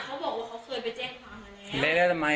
อ่าเขาบอกว่าเขาเคยไปแจ้งความแล้วแล้วแล้วทำไม